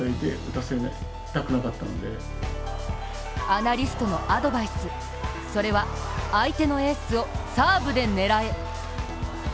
アナリストのアドバイス、それは相手のエースをサーブで狙え。